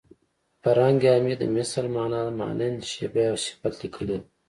فرهنګ عمید د مثل مانا مانند شبیه او صفت لیکلې ده